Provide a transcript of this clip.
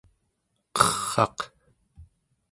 qer'aq